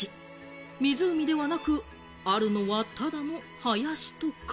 湖ではなく、あるのはただの林と川。